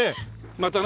またね。